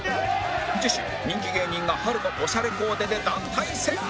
次週人気芸人が春のオシャレコーデで団体戦